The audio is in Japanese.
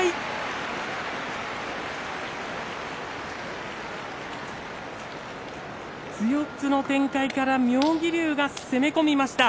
頭四つの展開から妙義龍が攻め込みました。